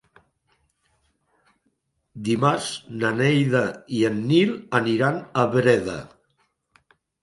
Dimarts na Neida i en Nil aniran a Breda.